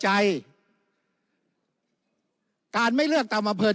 แต่การเลือกนายกรัฐมนตรี